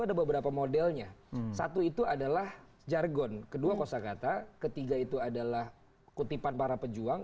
ada beberapa modelnya satu itu adalah jargon kedua kosa kata ketiga itu adalah kutipan para pejuang